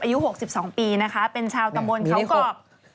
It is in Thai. อายุ๖๒ปีเป็นชาวตำบลเข้ากอบ